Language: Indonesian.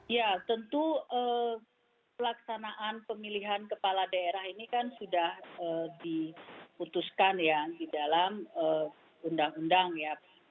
ya tentu pelaksanaan pemilihan kepala daerah ini kan sudah diputuskan ya di dalam undang undang ya